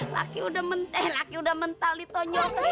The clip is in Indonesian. laki udah menteh laki udah mentah lito nyokri